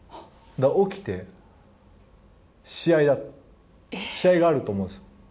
だから、起きて試合だと。試合があると思うんですよ。